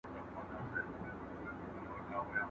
¬ دوه به سره جوړ سي، د دريم دي نو مخ تور سي.